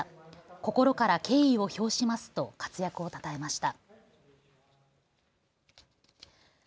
心から敬意を表しますと活躍をたたえました。